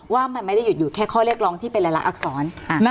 ว่ามันไม่ได้หยุดอยู่แค่ข้อเรียกร้องที่เป็นหลายอักษร